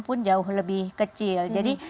pun jauh lebih kecil jadi